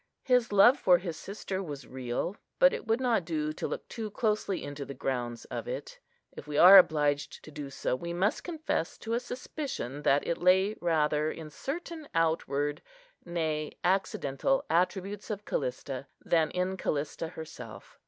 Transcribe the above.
His love for his sister was real, but it would not do to look too closely into the grounds of it; if we are obliged to do so, we must confess to a suspicion that it lay rather in certain outward, nay, accidental attributes of Callista, than in Callista herself.